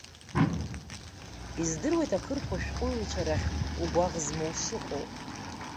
Издыруеит ақырҭуа шәҟәыҩҩцәа рахьтә угәаӷ змоу шыҟоу.